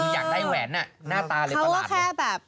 อยากได้แหวนน่ะหน้าตาเลยประหลาดเลย